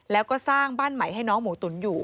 แล้วก็สร้างบ้านใหม่ให้น้องหมูตุ๋นอยู่